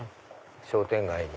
商店街に。